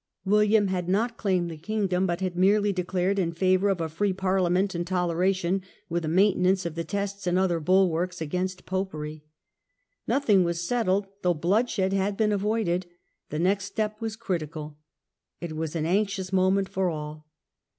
William had not claimed the kingdom, but had merely declared in favour of a free Parliament and Toleration, with a maintenance of the Tests and other bulwarks against Popery. Nothing was settled, though bloodshed had been avoided. The next step was critical. It was an anxious moment for all.